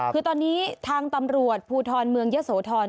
คือตอนนี้ทางตำรวจภูทรเมืองยะโสธร